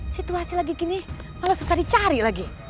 situasi lagi gini malah susah dicari lagi